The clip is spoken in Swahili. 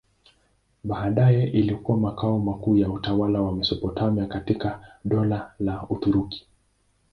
Baadaye ilikuwa makao makuu ya utawala wa Mesopotamia katika Dola la Uturuki.